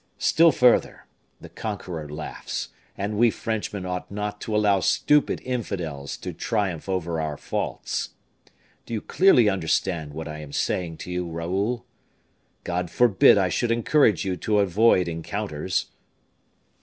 Still further, the conqueror laughs, and we Frenchmen ought not to allow stupid infidels to triumph over our faults. Do you clearly understand what I am saying to you, Raoul? God forbid I should encourage you to avoid encounters."